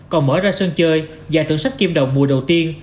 còn mở ra sân chơi giải thưởng sách kim đầu mùa đầu tiên